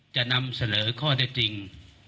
จะนำเสนอข้อได้จริง